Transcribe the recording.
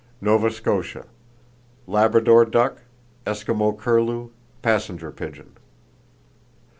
Nova Scotia: Labrador duck, Eskimo curlew, passenger pigeon.